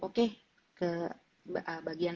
oke ke bagian